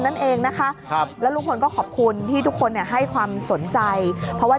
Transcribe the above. นั่นเองนะคะครับแล้วลุงพลก็ขอบคุณที่ทุกคนเนี่ยให้ความสนใจเพราะว่า